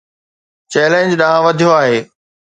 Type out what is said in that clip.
challenge ڏانهن وڌيو آهي